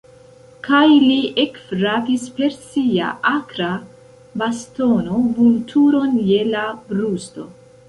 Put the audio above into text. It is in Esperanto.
Kaj li ekfrapis per sia akra bastono Vulturon je la brusto.